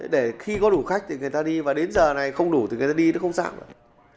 để khi có đủ khách thì người ta đi và đến giờ này không đủ thì người ta đi nó không sạo nữa